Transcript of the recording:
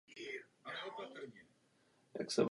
V darovací listině je nejstarší zpráva o této vsi.